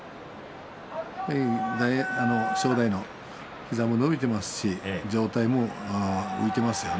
正代の膝も伸びていますし上体も浮いていますよね。